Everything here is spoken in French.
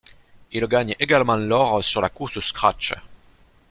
Il gagne également l'or sur la course scratch.